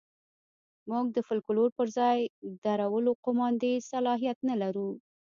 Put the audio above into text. موږ د فوکلور پر ځای درولو قوماندې صلاحیت نه لرو.